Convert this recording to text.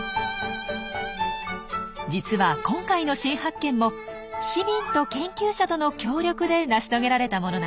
実は今回の新発見も市民と研究者との協力で成し遂げられたものなんです。